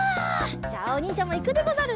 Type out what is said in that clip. じゃあおにんじゃもいくでござる。